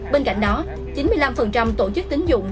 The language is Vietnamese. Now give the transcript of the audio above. bên cạnh đó chín mươi năm tổ chức tính dụng